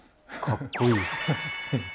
かっこいい！